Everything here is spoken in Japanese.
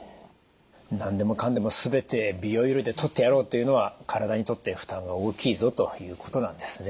何でもかんでも全て美容医療でとってやろうというのは体にとって負担が大きいぞということなんですね。